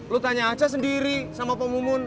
lu tanya aja sendiri sama pak mumun